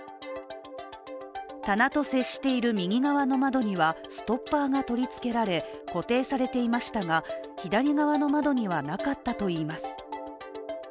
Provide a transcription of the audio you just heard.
棚と接している右側の窓にはストッパーが取り付けられ固定されていましたが、左側の窓にはなかったといいます。